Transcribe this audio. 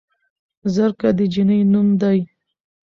زرکه د جينۍ نوم دے